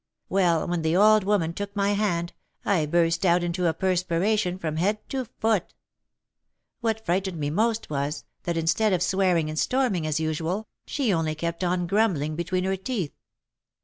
Well, when the old woman took my hand, I burst out into a perspiration from head to foot. What frightened me most was, that, instead of swearing and storming as usual, she only kept on grumbling between her teeth.